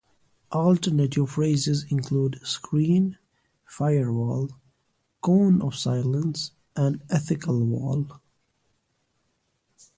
Alternative phrases include "screen", "firewall", "cone of silence", and "ethical wall".